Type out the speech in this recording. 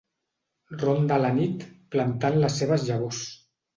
Ronda a la nit plantant les seves llavors.